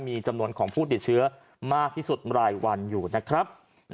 มีจำนวนของผู้ติดเชื้อมากที่สุดรายวันอยู่นะครับ